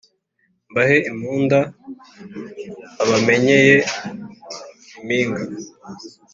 Mbahe impunda babamenyeye impinga.